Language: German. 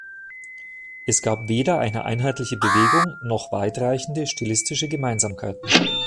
Es gab weder eine einheitliche Bewegung, noch weitreichende stilistische Gemeinsamkeiten.